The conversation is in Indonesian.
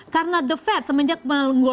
karena the fed semenjak menggolong